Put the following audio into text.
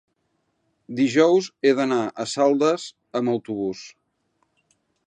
dijous he d'anar a Saldes amb autobús.